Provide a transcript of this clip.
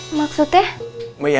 kamu sama siapa berbuatnya